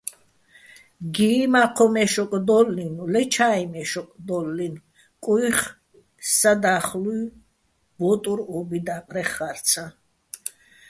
გი მაჴოჼ მე́შოკ დო́ლლინო̆, ლე ჩა́იჼ მე́შოკ დო́ლლინო̆ კუჲხი̆ სადა́ხლუჲ ბო́ტურ ო́ბი და́ყრეხ ხა́რცაჼ.